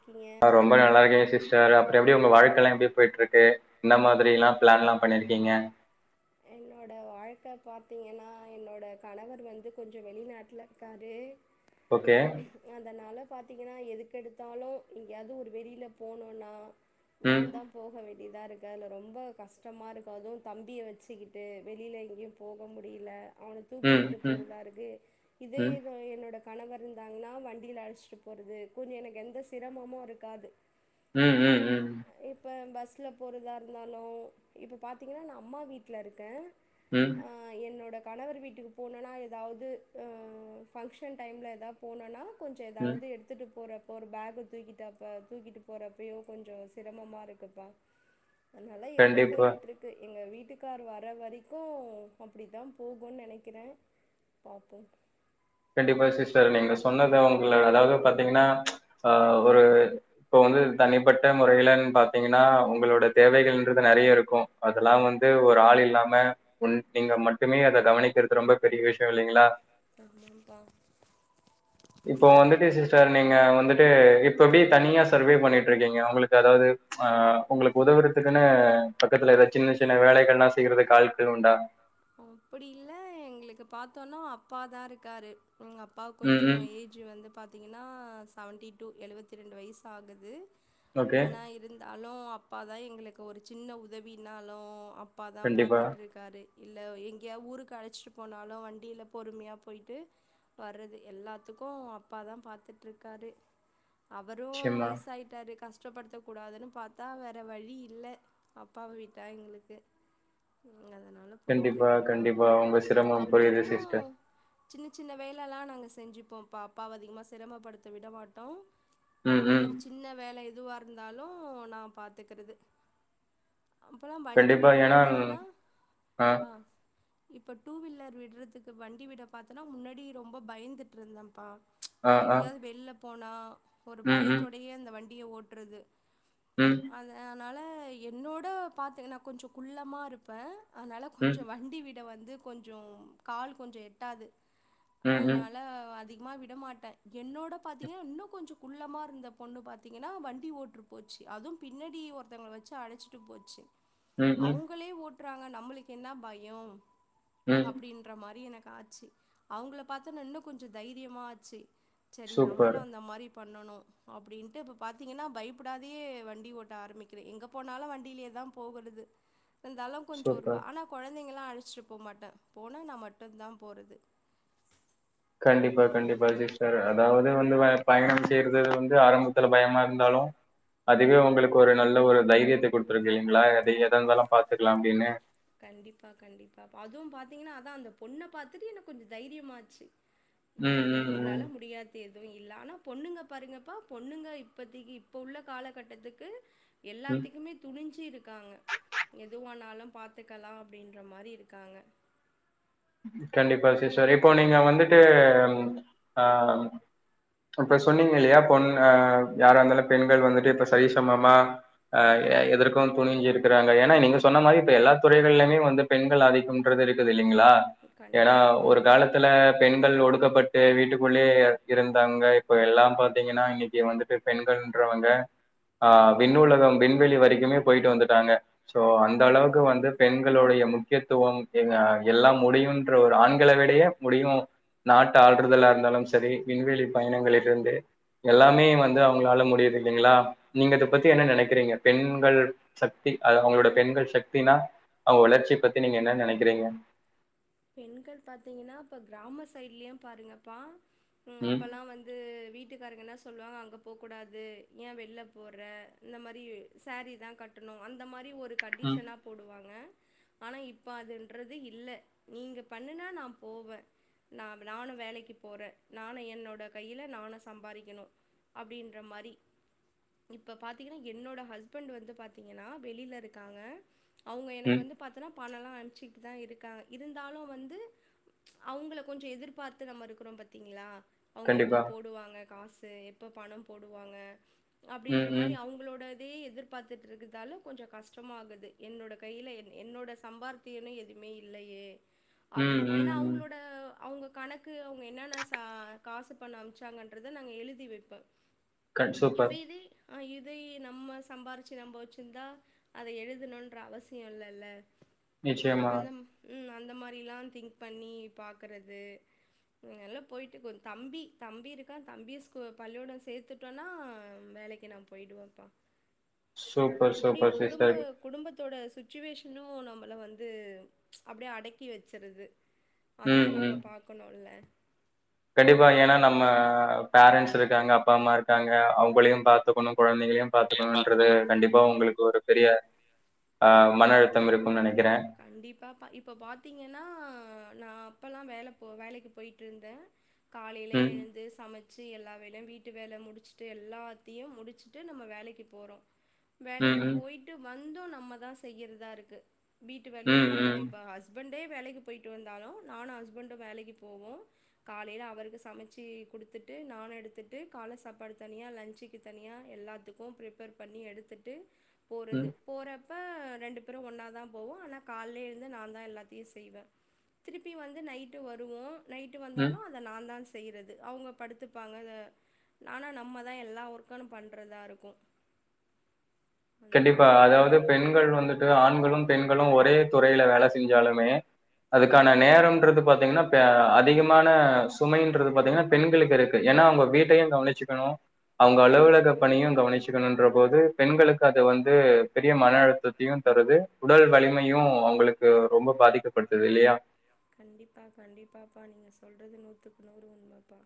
க்கீங்க ஆ ரொம்ப நல்லா இருக்கே சிஸ்டர் அப்புறோ எப்டி உங்க வாழ்கைல்லா எப்டி போய்ட்டு இருக்கு என்ன மாதிரி எல்லா ப்ளன்ல்லா பண்ணிருக்கீங்க என்னோட வாழ்க்க பாத்தீங்கன்னா என்னோட கணவர் வந்து கொஞ்சோ வெளிநாட்ல இருக்காரு ஓகே அதனால பாத்தீங்கன்னா எதுக்கெடுத்தாலு எங்கேயாது ஒரு வெளில போணுன்னா ம். நாந்தா போக வேண்டியதா இருக்கு அதில ரொம்ப கஷ்டமாக இருக்கு அது தம்பிய வச்சு சிக்கிட்டு வெளில எங்கயு போக முடியல அவன ம். தூக்கிக்கிட்டு ம். போறதா இருக்கு இதே ம். இது என்னோட கணவர் இருந்தாங்னா வண்டில அழச்சிட்டு போறது கொஞ்சோ எனக்கு எந்த சிரமமு இருக்காது ம் ம் ம் இப்ப பஸ்ல போறதா இருந்தாலு இப்ப பாத்தீங்கன்னா நா அம்மா வீட்ல இருக்க ம் அ என்னோட கணவர் வீட்டுக்கு போனன்னா ஏதாவது அ ஃபங்க்ஷன் டைம்ல ஏதா போனனா கொஞ்ச ம். ஏதாவது எடுத்துட்டு போறப்ப ஒரு பேக்க தூக்கிட்டப்ப தூக்கிட்டு போறப்பயோ கொஞ் சோ சிரமமா இருக்குப்பா அதனால ஏதோ கண்டிப்பா. போய்கிட்ருக் கு எங்க வீட்டுக்கார் வர வரைக்கு அப்டித்தா போகுன் நெனைக்கிற பாப்போ கண்டிப்பா சிஸ்டர் நீங்க சொன்னது உங்கள அதாவது பாத்தீங்கன்னா அ ஒரு இப்போ வந்து தனிப்பட்ட முறையிலன் பாத்தீங்கன்னா உங்களோட தேவைகள்ன்றநு நறைய இருக்கு அதெல்லா வந் து ஒரு ஆள் இல்லாம உன் நீங்க மட்டுமே அத கவனிக்கிறது ரொம்ப பெரிய விஷயோ இல்லைங்களா தந்தேபா இப்ப வந்துட்டு சிஸ்டர் நீங்க வந்துட்டு இப்ப எப்டி தனியா சர்வே பண்ணிட்ருக்கீங்க உங்களுக்கு அதாவது ஆ உங்களுக்கு உதவுறதுக்குன்னு பக்கத்துல ஏதோ சின்ன சின்ன வேலைகள்ல்லா செய்றதுக்கு ஆள்கள் உண்டா அப்படி இல்ல எங்களுக்கு பார்த்தோன்னா அப்பா தா இருக்காரு எங்கள் அப்பா ம், கொஞ்சோ ம். ஏஜ் ச்சு வந்துப் பாத்தீங்கின்னா செவன்டி டூ எழுவத்திரெண்டு வயிசாகுது ஓகே. ஆனா இருந் தாலோ அப்பாதா எங்குளுக்கு ஒரு சின்ன உதவின்னாலு அப்பாதாம் கண்டிப்பா. பாத்துட்ருக்காரு இல்ல எங்யா ஊருக்கு அழச்சிடு போனாலு வண்டில பொறுமியா போயி்ட்டு வர்றது எல்லாத்துக்கு அப்பாதாம் பாத்துட்ருக்காரு அவரு நிச்சயமா. வயிசாயிட்டாரு கஷ் ஷ்டப்படுத்தக் கூடாதுனுப் பாத்தா வேற வழி இல்ல அப்பாவ விட்டா எங்ளுக்கு ம் அதனாலப் கண்டிப்பா, போயிட்ருக்குப்பா கண்டிப்பா. உங்க சிரமம் அப்புடி புரியுது இருந்து சிஸ்டர். சின்ன சின்ன வேலல்லா நாங்க செஞ்சிப்போம் இப்ப அப்பாவ அதிகமா சிரமப்படுத்த விடமாட்டோ ம், ம். ஒரு சின்ன வேல எதுவா இருந்தாலு நா பாத்துகிறது அம்பலாம் வண்டி கண்டிப்பா. விடப் ஏன்னா பாத்தீங்கினா ஆ இப்ப டூ வீலர் விட்றதுக்கு வண்டி விடப் பாத்தனா முன்னாடி ரொம்ப பயந்துட்ருந்தேம்ப்பா ஆ, ஒரு ஆ. எங்கியாவது வெள்லப் போனா ஒரு ம், ம், பயத்தோடையே அந்த வண்டிய ஓட்றது ம், அத அன்னால என்னோட பாத்துக நா கொஞ்சோ குள்ளமாருப்பே அதனால ம், கொஞ்சோ வண்டி விட வந்து கொஞ்சோம் கால் கொஞ்சோ எட்டாது ம், ம், அதனால அ அதிகமா விட மாட்டே என்னோடப் பாத்தீங்கனா இன்னு கொஞ்சோ குள்ளமா இருந்த பொண்ணு பாத்தீங்கனா வண்டி ஓட்ருப் போச்சி அதும் பின்னாடி ஒருத்தவங்ள வெச்சு அழச்சிட்டு போச்சி ம், ம், அவுங்களே ஓட்றாங்க நம்மளுக்கு என்னா பயோ ம். அப் பிடின்ற மாரி எனக்கு ஆச்சி அவுங்ளப் பாத்து நா இன்னு கொஞ்சோ தைரியமா ஆச்சி சரி நம்மளு சூப்பர், அந்த மாரிப் பண்ணணு அப்டின்ட்டு இப்போ பாத்திங்கன்னா பயிப்படாதியே வண்டி ஓட்ட ஆரம்பிக்கிறே எங்கப் போனாலு வண்டிலியேதாம் போகறது இருந்தாலு கொஞ்சோ ஒருப சூப்பர். ஆனாக் கொழந்தைங்கெல்லா அழச்ட்டு போமாட்டே போனா நா மட்டுந்தா போறது கண்டிப்பா கண்டிப்பா சிஸ்டர் அதாவது வந்துவ பயணம் செய்றது வந்து ஆரம்பத்துல பயமா இருந்தாலு அதுவே உங்களுக்கு ஒரு நல்ல ஒரு தைரியத்தை குடுத் துருங் இல்லிங்ளா எதை எதா இந்தாலும் பாத்துகுலா அப்டினு கண்டிப்பா கண்டிப்பாபா அதுவும் பாத்தீங்கினா அதா அந்த பொண்ணப் பாத்துட்டு எனக் கொஞ்சோ தைரியமாச்சு ம், எ ம், நம்ளால முடியாத் து எதுவு இல்ல ஆனாப் பொண்ணுங்க பாருங்கப்பா பொண்ணுங்க இப்பத்திகு இப்ப உள்ள காலகட்டத்துக்கு ம், ம். எல்லாத்துக்குமே துணிஞ்சி இருக்காங்க எதுவானாலும் பாத் க்கலா அப்டின்ற மாரி இருக்காங்க கண்டிப்பா சிஸ்டர் இப்போ நீங்க வந்துட்டும் அம் இப்ப சொன்னீங்க இல்லியாப் பொண் அ யாரா இருந்தாலும் பெண்கள் வந்துட்டு இப்ப சரி சமமா ஆ எ எதற்குவுந் துணிஞ்சிருக்கறாங்க எனாய் நீங்க சொன்னமாரி இப்ப எல்லாத் துறைகள்லயுமே வந்துப் பெண்கள் ஆதிக்கும்ன்றது இருக்குது இல்லிங்கிளா ஏனா கண்டிப்பாப்பா ஒரு காலத் த்துல பெண்கள் ஒடுக்கப்பட்டு வீட்டுக்குள்ளே அட் இருந்தாங்க இப்ப எல்லாம் பாத்தீங்கினா இன்னைக்கி வந்துட்டு பெண்கள்ன்றவங்க ஆ விண்ணுலகம் விண்வெளி வரிக்குமே போயிட்டு வந்துட்டாங்க சோ ஆமா அந்தளவுக்கு ஆமா வந்து பெண்களுடைய முக்கியத்துவம் அ எல்லாம் முடியுன்ற ஒரு ஆண்கள விடையே முடியு நாட்ட ஆள்ருதலா இருந்தாலும் சரி விண்வெளிப் பயணங்களருந்தே எல்லாமே வந்து அவுங்ளால முடியிது இல்லிங்ளா நீங்க இதப் பத்தி என்ன கண்டிப்பா நெனைக்கிறீங்க பெண்கள் சக்தி அத அவுங்களோடப் பெண்கள் சக்தினா அவு வளர்ச்சியப் பத்தி நீங்க என்னா நெனைக்கிறீங்க பெண்கள் பாத்தீங்கினா இப்ப கிராம சைட்லியும் பாருங்கப்பா ம் அப்பல்லா வந் து வீட்டுக்காரங்க என்னா சொல்வாங்க அங்கப் போக்கூடாது ஏ வெள்லப் போர்ற இந்த மாரி சாரிதாங் கட்டணு அந்த மாரி ஒருக் ம், கண்டிஷனா போடுவாங்க ஆனா இப் அதுன்றுது இல்ல நீங்க பண்ணுனா நா போவே நாமி நானு வேலைக்கி போறே நானு என்னோட கையில நானு சம்பாரிக்கணு அப்டின்ற மாரி இப்ப பாத்தீங்கினா என்னோட ஹஸ்பண்ட் வந்து பாத்தீங்கின்னா வெளில இருக்காங்க அவ்ங்கு எனக் ம். வந்து பாத்தனா பணலா அன்ச்சிட்டு தா இருக்காங்க இருந்தாலு வந்து அவ்ங்கள கொஞ்சு எதிர்பார்த்து நம்ம இருக்குறோம் பாத்தீங்ளா அவ்ங்க எப்போ கண்டிப்பா. போடுவாங்க காசு எப்ப பணம் போடுவாங்க ம், அப்டின்ற மாரி ம், அவ்ங்ளோடத் தே எதிர்பார்த்துட்ருக்குதால கொஞ்சு கஷ்டமாகுது என்னோட கையில என் என்னோட சம்பார்த்தியனு எதுமே இல் இல்லையே ம், அப்டின்னு ஏன்னா ம், ம். அவ்ங்ளோட அவ்ங்க கணக்கு அவ்ங் என்னென்ன சா காசு பண்ண அம்ச்சாங்கன்றத நாங்க எழுதி வெப்ப கண் இப் சூப்பர். இதே ஆ இதையே நம்ம சம்பாரிச்சி நம்போ வச்சிந்தா அத எழுதணுன்ற அவசியோ இல்லல்ல நிச்சயமா. அந்தம் ம் அந்த மாரிலா திங்க் பண்ணி பாக்கறது எ நல்லா போய்ட்டு கொன் தம்பி தம்பி இருக்கா தம்பிய ஸ்கூ பள்ளியோடம் சேத்துட் ட்டொனா வேலக்கி நா போய்டுவம்ப்பா சூப்பர், இப்புடியு சூப்பர் குடும்பு சிஸ்டர். குடும்பத்தோட சுச்சுவேஷனு நம்மள வந்து அப்டே அடக்கி வெச்சுருது ம், அதையு நம்ம ம். பாக்கணுல கண்டிப்பா ஏன்னா நம்ம பேரண்ஸ் இருக்காங்க அப்பா அம்மார் ட்டாங்க அவ்ங்களையு பாத்துக்கணு குழந்தைகளையு பாத்துக்கணுன்றது கண்டிப்பா உங்களுக்கு ஒரு பெரிய ஆ மன அழுத்தம் இருக்கு நெனைக்கிறே கண்டிப்பாப்பா இப்போ பாத்தீங்கன்னா நா அப்பல்லா வேல போ வேலைக்கு போய்ட்ருந்தே காலைலே ம், எழுந்து சம ச்சி எல்லா வேலையும் வீட்டு வேல முடிச்சுட்டு எல்லாத்தையு முடிச்சுட்டு நம்ம வேலைக்கி போறோ ம், வேலைக்கி ம், போய்ட்டு வந்து நம்ம தா செய்யிறதா இருக்கு வீட்டு வேலையு ம், நம்ம ம், தாய் பா ஹஸ்பண்டே வேலைக்கு போய்ட்டு வந்தாலு நானு ஹஸ்பண்டு வேலைக்கி போவோ காலைல அவருக்கு சமச்சி குடுத்துட்டு நான் எடுத்துட்டு கால சாப்பாடு தனியா லன்ச்சிக் ஹி தனியா எல்லாத்துக்கு ப்ரிப்பேர் பண்ணி எடுத்துட்டு போறது ம், போறப்ப ரெண்டு பேரு ஒன்னா தாம் போவோ ஆனா கால்ல எழுந்து நான் தா எல்லாத்தையு செய்வே திருப்பி வந்து நைட்டு வருவோ நைட்டு ம். வந்தாலு அத நான் தா செய்றது அவ்ங்க படுத்துப்பாங்க அத நானா நம்ம தா எல்லா ஒர்க்கு நம் பண்றதா ருக்கு கண்டிப்பா மாரிலாம் அதாவ்து பெண் ண்கள் வந்துட்டு ஆண்களும் பெண்களு ஒரே துறைய்ல வேல செஞ்சாலுமே அதுக்கான கண்டிப்பாப்பா. நேரன்றது பாத்தீங்கன்னப் ப அதிகமான சுமைன்றது பாத்தீங்கன்னா பெண்களுக்கு இருக்கு ஏன்னா அவ்ங்க வீட்டையு கவனிச்சுக்கணு அவ்ங் அலுவலக கண்டிப்பா. பணியு கவனிச்சுக்கணுன்ற போது பெண்களுக் அத வந்து பெ ரிய மன அழுத்தத்தையு தருது உடல் வலிமையு அவ்ங்களுக்கு ரொம்ப பாதிக்கப்பட்டுது இல்லையா கண்டிப்பா கண்டிப்பாப்பா நீங்க சொல்றது நூத்துக் நூறு உண்மப்பா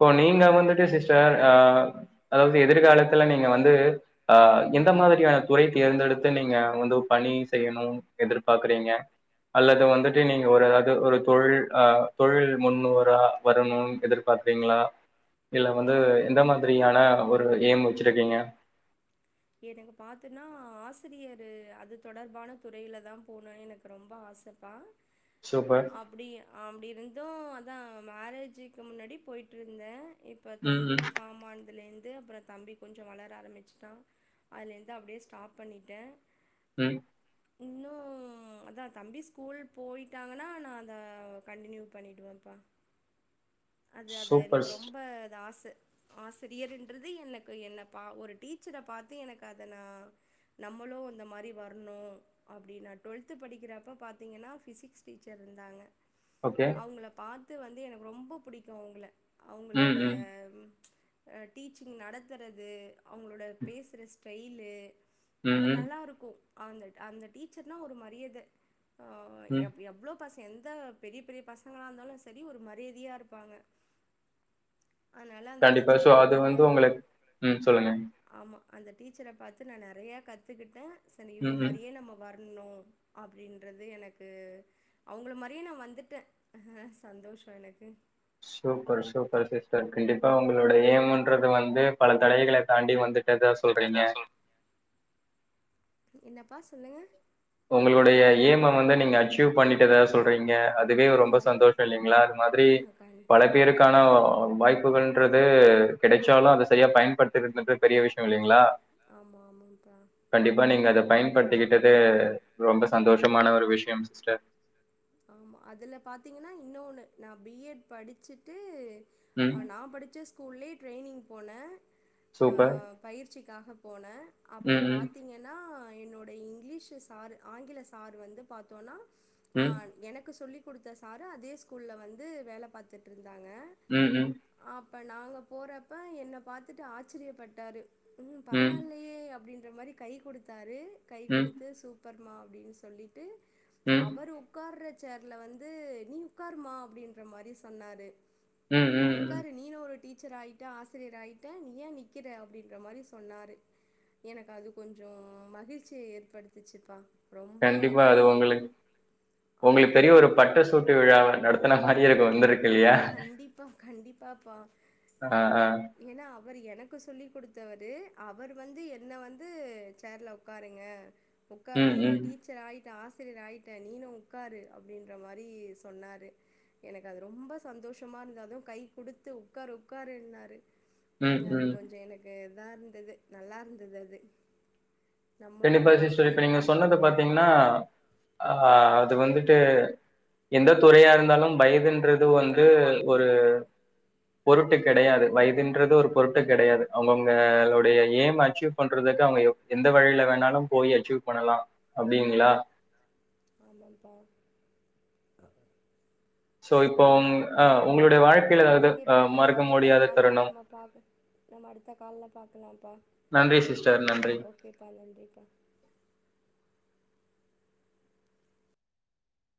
போ நீங்க எல்லா எ வந்துட்டு சிஸ்டர் ஆ அதாவ்து எதிர்காலத்துல நீங்க வந்து அ எந்த மாதிரியான துறை தேர்ந்தெடுத்து நீங்க வந்து பணி செய்யணு எதிர்பாக்குறீங்க அல்லது வந்துட்டு நீங்க ஒரு அது ஒரு தொல் அ தொழில் முன்னோரா வரணுன் எதிர் பாத்தீங்ளா இல்ல வந்து எனக்கு எந்த வந்து மாத்ரியான ஒரு ஏம் வச்சிருக்கீங்க எனக்கு பாத்துன்னா ஆசிரியரு அது தொடர்பான துறையில தா போணு எனக்கு ரொம்ப ஆச ப்பா சூப்பர். அப்டி அப்டி இருந்து அதா மேரேஜுக்கு முன்னாடி போய்ட்ருந்த இப் இப்போ ம், ம், தம்பி பார்மானதுலருந்து அப்றோ தம்பி கொஞ்சோ வளர ஆரம்பிச்ட்டா அதுலருந்து அப்டியே ஸ்டாப் பண்ணிட்ட ம் இன்னு அதா தம்பி ஸ்கூல் போயிட்டாங்கன்னா நா அத கண்டினியூ பண்ணிடுவம்ப்பா அதா அதா சூப்பர் எனக்கு ஸ் ரொம்ப அது ஆச ஆசிரியர்ன்றது எனக்கு என்ன பா ஒரு டீச்சர பாத்து எனக்கு அத நா நம்மளு அந்த மாரி வர்ணு அப்டி நா டுவெல்த் படிக்கறப்ப பாாத்தீங்கன்னா பிசிக்ஸ் டீச்சர் இருந்தாங்க ஓகே. அவங்கள பாத்து வந்து எனக்கு ரொம்ப புடிக்கு அவுங்கள ம், அவங்களோட ம், அ டீச்சிங் நடத்தறது அவங்களோட பேசுர ஸ் டைலு ம், ம், நல்லாருக்கு அந்த அந்த டீச்சர்னா ஒரு மரியத ஆ ம். எவ் எவ்ளோ பச எந்த பெரிய பெரிய பசங்களா இருந்தாலு சரி ஒரு மரியதையா இருக் பாங்க அதனால அந்த கண்டிப்பா. டீச்சர ஸோ அது பாத்து நா வந்து உங்களுக்கு ம் சொல்லுங்க. ஆமா அந்த டீச்சர பாத்து நா நெறைய கத்துகிட்ட சரி ம், இவங்க ம். மாரியே நம்ம வர்ணு அப்டின்றது எனக்கு அவுங்கள மாறியே நா வந்துட்ட சந்தோஷோ எனக்கு சூப்பர் சூப்பர் சிஸ்டர் கண்டிப்பா உங்களோட ஏய்ம்ன்றது வந்து பல தடைகள தாண்டி வந்து என்னப்பா சொல்லுங்க உங்களுடைய ஏய்ம வந்து நீங்க அச்சீவ் பண்ணிட்டதா சொல்றீங்க அதுவே ரொம்ப கண்டிப்பா சந்தோஷோ இல்லீங்ளா அது மாதிரி ஆ கண் பல பேருக்கான வாய்ப்புகள்ன்றது கிடைச்சாலு அத சரியா பயன்படுத்திகறதுன்றது பெரிய விஷ்யோ இல்லீங்ளா ஆமா ஆமாப்பா கண்டீப்பா நீங்க அத பயன்படுத்திக்கிட்டது ரொம்ப சந்தோஷமான ஒரு விஷ்யம் சிஸ்டர் ஆமா அதுல பாத்தீங்கன்னா இன்னொன்னு நா பி எட் படிச்சு ட்டு ம். நா படிச்ச ஸ்கூல்லே ட்ரெய்னிங் போன ஆ சூப்பர். பயிற்சிக்காக போன அப்ப ம், ம், பாத்தீங்க ன்னா என்னோட இங்லீஷ்ஷு சார் ஆங்கில சார் வந்து பாத்தோன்னா ஆ ம், எனக்கு சொல்லி குடுத்த சாரு அதே ஸ்கூல்ல வந்து வேல பாத்துட்ருந்தாங்க ம் ம் அப்ப நாங்க போறப்ப என்ன பாத்துட்டு ஆச்சிரியப்பட்டாரு ம் பரவால்லயே அப்டின்ற மாரி கை குடுத்தாரு கை ம், குடுத்து சூப் ப்ர்மா அப்டின்னு சொல்லிட்டு ம், அவரு உக்கார்ற சேர்ல வந்து நீ உக்காருமா அப்படின்ற மாரி சொன்னாரு ம் ம் ம். உக்காரு நீனு ஒரு டீச்சர் ஆயிட்ட ஆசிரியர் ஆயிட்ட நீ ஏ நிற்கற அப்டின்ற மாரி சொன்னாரு எனக்கு அது கொஞ்சோ மகிழ்ச்சிய ஏற்படுத்துச்சுப்பா ரொம்ப கண்டிப்பா ஏன்னா அது உங்களுக்கு ஆமா. உங்களுக்கு பெரிய ஒரு பட்டு சூட்டு விழாவ நடத்தன மாரி இருக்கு வந்துருக்கு இல்லியா ப்பா கண்டிப்பாப்பா ஆ ஆ ஏன்னா அவரு எனக்கு சொல்லி கொடுத்தவரு அவர் வந்து என்ன வந்து சேர்ல உக்காருங்க உக்கார் ம், நீனு ம், டீச்சர் ஆயிட்ட ஆசிரியர் ஆயிட்ட நீனு உக்காரு அப்டின்ற மாரி சொன்னாரு எனக்கு அது ரொம்ப சந்தோஷமா இருந்த அதுவு கை குடுத்து உக்காரு உக்காருன்னாரு ம், அது ம். கொஞ்ச எனக்கு இதாயிருந்தது நல்லா இருந்துது அது நம்மளு அப்ப ஆசிரியர் ஆகிட்டோ என்ன ஆ அது வந்துட்டு எந்த துறையா இருந்தாலும் வயதுன்றது வந்து ஒரு பொருட்டு கெடையாது வயதுன்றது ஒரு பொருட்டு கெடையாது அவுங்கவுங்களுடைய ஏம் அச்சிவ் பண்றதுக்கு அவுங்க எவ் எந்த வழியில வேணாலும் போயி அச்சீவ் பண்ணலா அப்டிங்களா ஆமாம்ப்பா ஆ ஸோ இப்போ உங் அ நம்ம உங்களுடைய வாழ்க்கையில ஏதாவது அ ஓகேப்பா நம்ம மறக்க அடுத்த முடியாத கால்ல தருணம்? நம்ம பாக்க நம்ம அடுத்த கால்ல பாக்கலாம்பா நன்றி சிஸ்டர். நன்றி. ஓகேப்பா நன்றிப்பா